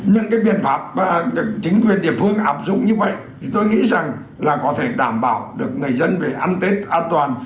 những cái biện pháp mà được chính quyền địa phương áp dụng như vậy thì tôi nghĩ rằng là có thể đảm bảo được người dân về ăn tết an toàn